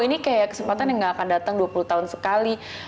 ini kayak kesempatan yang gak akan datang dua puluh tahun sekali